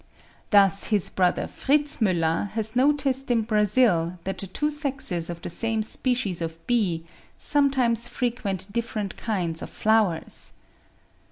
Thus his brother Fritz Müller has noticed in Brazil that the two sexes of the same species of bee sometimes frequent different kinds of flowers.